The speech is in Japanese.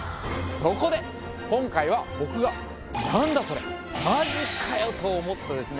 そこで今回は僕が何だそれ！？マジかよ！と思ったですね